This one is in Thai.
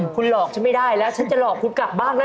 คุณหลอกฉันไม่ได้แล้วฉันจะหลอกคุณกลับบ้างแล้ว